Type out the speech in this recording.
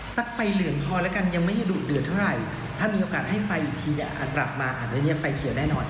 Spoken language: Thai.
ไฟเหลืองพอแล้วกันยังไม่ได้ดุเดือดเท่าไหร่ถ้ามีโอกาสให้ไปอีกทีเนี่ยอาจกลับมาอาจจะเงียบไฟเขียวแน่นอน